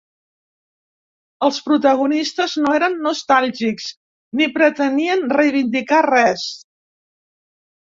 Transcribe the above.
Els protagonistes no eren nostàlgics ni pretenien reivindicar res.